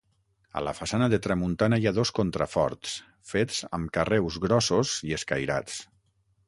A la façana de tramuntana hi ha dos contraforts, fets amb carreus grossos i escairats.